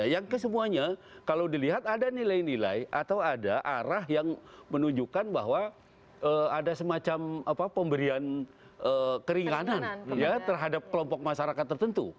yang kesemuanya kalau dilihat ada nilai nilai atau ada arah yang menunjukkan bahwa ada semacam pemberian keringanan terhadap kelompok masyarakat tertentu